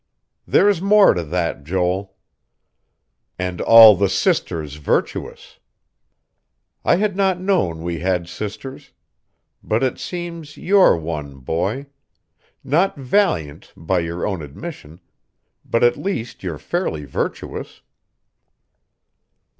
There's more to that, Joel. 'And all the sisters virtuous.' I had not known we had sisters but it seems you're one, boy. Not valiant, by your own admission; but at least you're fairly virtuous."